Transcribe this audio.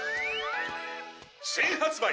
「新発売！」